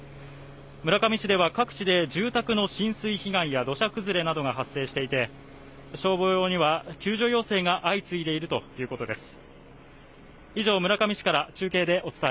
村上市では各地で住宅の浸水被害や土砂崩れなどが発生していて消防には救助要請が相次いでいるということです